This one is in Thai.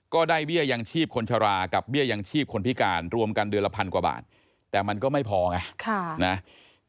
เบี้ยยังชีพคนชะลากับเบี้ยยังชีพคนพิการรวมกันเดือนละพันกว่าบาทแต่มันก็ไม่พอไง